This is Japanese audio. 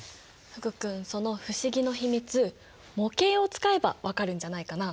福くんその不思議の秘密模型を使えば分かるんじゃないかな？